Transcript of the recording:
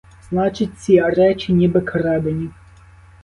Значить, ці речі — ніби крадені.